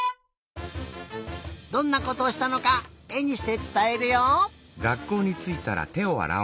どんなことをしたのかえにしてつたえるよ。